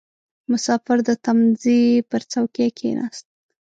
• مسافر د تمځي پر څوکۍ کښېناست.